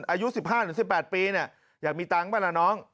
อายุ๑๕๑๘ปีอยากมีตังค์ป่ะล่ะน้อง